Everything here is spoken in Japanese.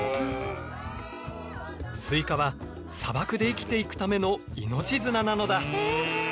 スイカは砂漠で生きていくための命綱なのだ。